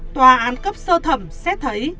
tòa án cấp sơ thẩm xét thấy